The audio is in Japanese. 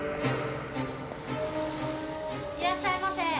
いらっしゃいませ。